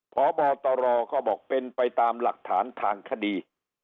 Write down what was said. พบตรก็บอกเป็นไปตามหลักฐานทางคดี